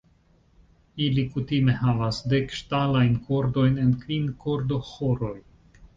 Ili kutime havas dek ŝtalajn kordojn en kvin kordoĥoroj.